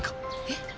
えっ？